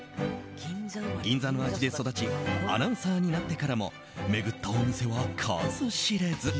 銀座の味で育ちアナウンサーになってからも巡ったお店は数知れず。